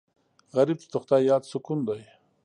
غریب ته د خدای یاد سکون دی